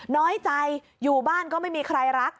น้อยใจอยู่บ้านก็ไม่มีใครรัก